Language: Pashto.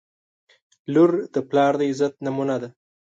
• لور د پلار د عزت نمونه ده.